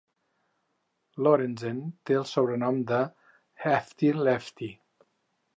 Lorenzen té el sobrenom de "Hefty Lefty".